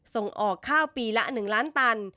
ส่งออกข้าวปีละ๑ล้านตัน